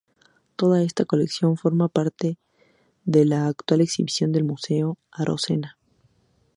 Toda esta colección conforma parte de la actual exhibición del Museo Arocena.